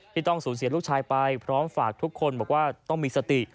ต้องสูญเสียลูกชายไปพร้อมฝากทุกคนบอกว่าต้องมีสติ